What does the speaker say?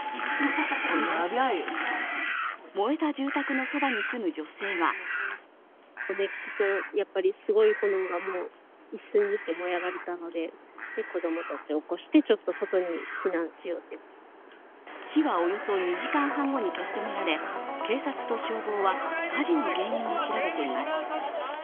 燃えた住宅のそばに住む女性は火はおよそ２時間半後に消し止められ、警察と消防は火事の原因を調べています。